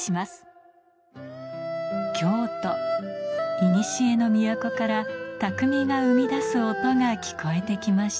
いにしえの都から匠が生み出す音が聞こえてきました